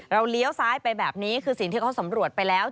เลี้ยวซ้ายไปแบบนี้คือสิ่งที่เขาสำรวจไปแล้ว